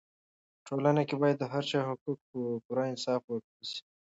په ټولنه کې باید د هر چا حقونه په پوره انصاف ورکړل سي.